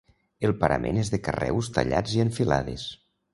El parament és de carreus tallats i en filades.